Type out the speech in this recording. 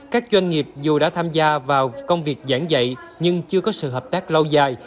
các doanh nghiệp dù đã tham gia vào công việc giảng dạy nhưng chưa có sự hợp tác lâu dài